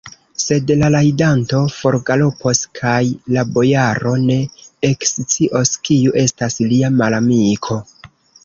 Sed la rajdanto forgalopos, kaj la bojaro ne ekscios, kiu estas lia malamiko.